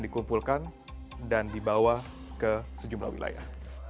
dikumpulkan dan dibawa ke sejumlah wilayah